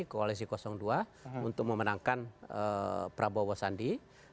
koalisi dua untuk memenangkan prabowo sandi